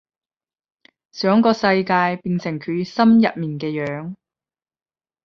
想個世界變成佢心入邊嘅樣